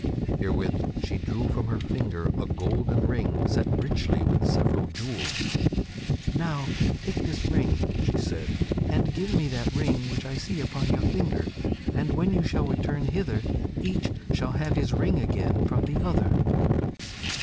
(Herewith she drew from her finger a golden ring set very richly with several jewels.) "Now take this ring," she said, "and give me that ring which I see upon your finger, and when you shall return hither each shall have his ring again from the other."